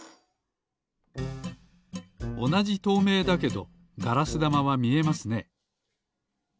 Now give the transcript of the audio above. おなじとうめいだけどガラスだまはみえますね。